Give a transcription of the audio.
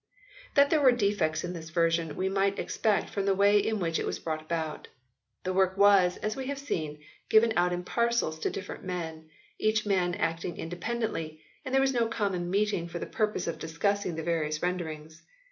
That there were defects in this version we might expect from the way in which it was brought about. The work was, as we have seen, given out in parcels to different men ; each man acted independently, and there was no common meeting for the purpose of discussing the various renderings.